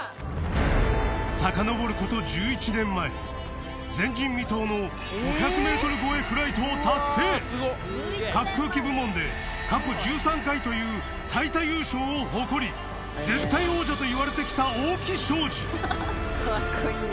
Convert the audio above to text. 遡る事１１年前前人未到の５００ｍ越えフライトを達成滑空機部門で過去１３回という最多優勝を誇り絶対王者といわれてきた大木祥資かっこいいな。